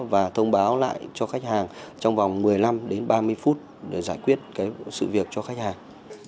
và thông báo lại cho khách hàng trong vòng một mươi năm đến ba mươi phút để giải quyết sự việc cho khách hàng